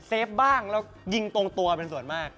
ฟบ้างแล้วยิงตรงตัวเป็นส่วนมาก